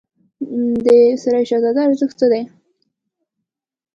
د سرای شهزاده ارزښت څه دی؟